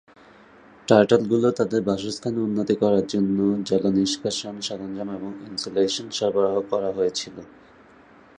টার্টলগুলি তাদের বাসস্থানের উন্নতি করার জন্য জলনিষ্কাশন সরঞ্জাম এবং ইনসুলেশন সরবরাহ করা হয়েছিল।